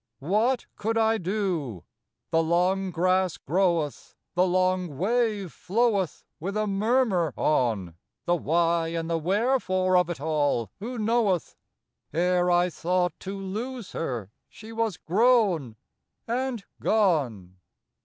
What could I do ? The long grass groweth, The long wave floweth with a murmur on: The why and the wherefore of it all who knoweth? Ere I thought to lose her she was grown—and gone.